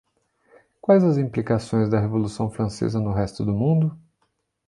Quais as implicações da Revolução Francesa no resto do mundo?